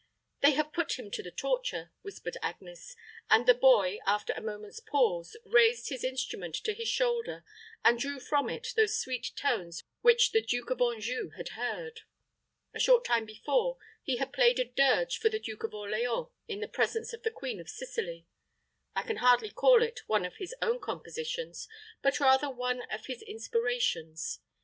"They have put him to the torture," whispered Agnes; and the boy, after a moment's pause, raised his instrument to his shoulder and drew from it those sweet tones which the Duke of Anjou had heard. A short time before, he had played a dirge for the Duke of Orleans in the presence of the Queen of Sicily I can hardly call it one of his own compositions, but rather one of his inspirations.